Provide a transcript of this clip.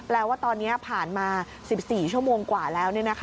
ว่าตอนนี้ผ่านมา๑๔ชั่วโมงกว่าแล้ว